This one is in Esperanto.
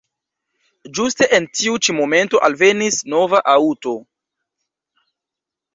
Ĝuste en tiu ĉi momento alvenis nova aŭto.